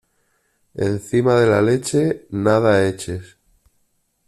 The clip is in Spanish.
Encima de la leche, nada eches.